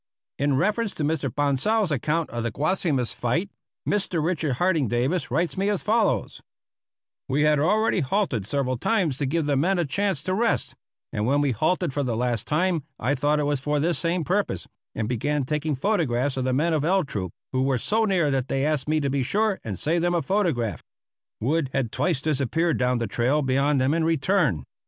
In reference to Mr. Bonsal's account of the Guasimas fight, Mr. Richard Harding Davis writes me as follows: We had already halted several times to give the men a chance to rest, and when we halted for the last time I thought it was for this same purpose, and began taking photographs of the men of L Troop, who were so near that they asked me to be sure and save them a photograph. Wood had twice disappeared down the trail beyond them and returned.